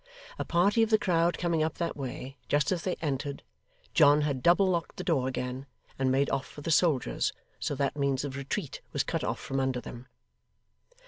A party of the crowd coming up that way, just as they entered, John had double locked the door again, and made off for the soldiers, so that means of retreat was cut off from under them.